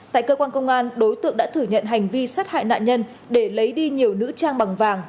tại cơ quan công an đối tượng đã thử nhận hành vi sát hại nạn nhân để lấy đi nhiều nữ trang bằng vàng